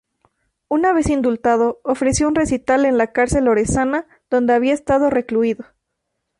Una vez indultado, ofreció un recital en la cárcel orensana donde había estado recluido.